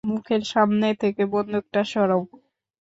মুখের সামনে থেকে বন্দুকটা সরাও।